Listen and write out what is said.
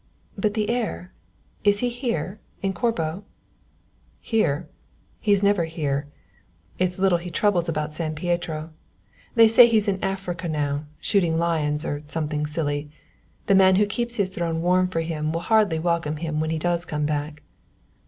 "But this heir is he here, in Corbo?" "Here? he's never here. It's little he troubles about San Pietro. They say he's in Africa now, shooting lions or something silly. The man who keeps his throne warm for him will hardly welcome him when he does come back."